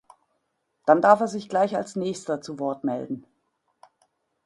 Dann darf er sich gleich als nächster zur Wort melden.